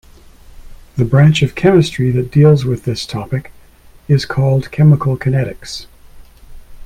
The branch of chemistry that deals with this topic is called chemical kinetics.